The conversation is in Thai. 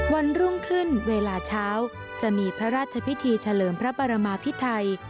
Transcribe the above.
วันรุ่งขึ้นเวลาเช้าจะมีพระราชพิธีเฉลิมพระบารมาพิไทย